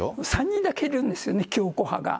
３人だけいるんですよね、強硬派が。